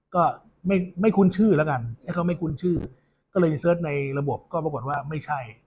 ก็ไม่ไม่คุ้นชื่อแล้วกันให้เขาไม่คุ้นชื่อก็เลยไปเสิร์ชในระบบก็ปรากฏว่าไม่ใช่